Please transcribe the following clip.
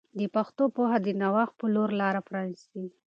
د پښتو پوهه د نوښت په لور لاره پرانیسي.